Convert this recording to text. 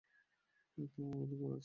এরপর আমার গন্তব্য রাজনীতি।